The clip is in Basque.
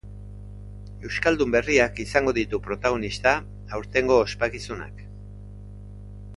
Euskaldun berriak izango ditu protagonista aurtengo ospakizunak.